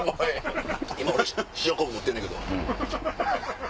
今俺塩昆布持ってんねんけど。